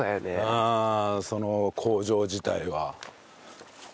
うんその工場自体は。